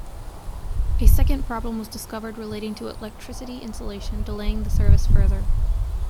A second problem was discovered relating to electricity insulation, delaying the service further.